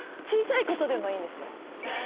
小さいことでもいいんですよ。